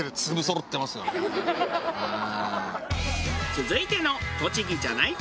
「」続いての栃木じゃない方